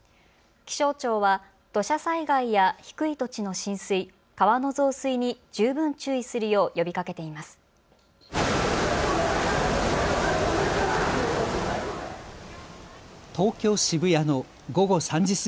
気象庁は土砂災害や低い土地の浸水、川の増水に十分注意するよう呼びかけています。